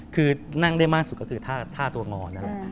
คือนั่งได้มากสุดก็คือท่าตัวงอน